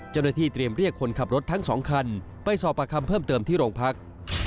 เจ้าหน้าที่เตรียมเรียกคนขับรถทั้ง๒คันไปสอบประคำเพิ่มเติมที่โรงพัก